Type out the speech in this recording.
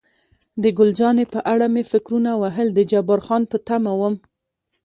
د ګل جانې په اړه مې فکرونه وهل، د جبار خان په تمه وم.